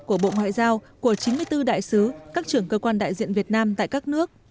của bộ ngoại giao của chín mươi bốn đại sứ các trưởng cơ quan đại diện việt nam tại các nước